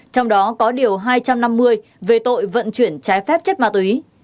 trong đó có điều hai trăm năm mươi về tội vận chuyển trái phép chất ma túy